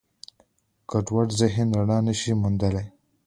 ګډوډ ذهن رڼا نهشي موندلی.